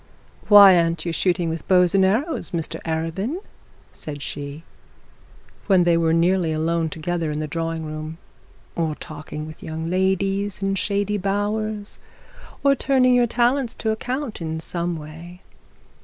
'Why aren't you shooting with bows and arrows, Mr Arabin?' said she, when they were nearly alone together in the sitting room; 'or talking with young ladies in shady bowers, or turning your talents to account in some way?